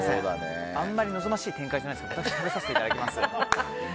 あんまり望ましい展開じゃないですけど食べさせていただきます。